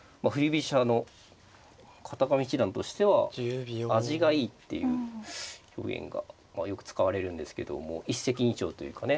飛車の片上七段としては味がいいっていう表現がよく使われるんですけども一石二鳥というかね。